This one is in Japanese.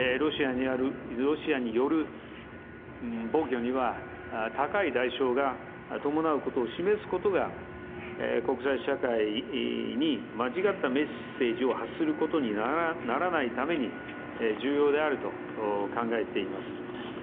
ロシアによる暴挙には高い代償が伴うことを示すことが、国際社会に間違ったメッセージを発することにならないために、重要であると考えています。